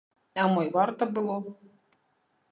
А мо і варта было?